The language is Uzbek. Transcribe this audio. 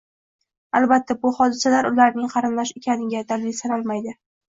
albatta, bu hodisalar, ularning qarindosh ekaniga dalil sanalmaydi.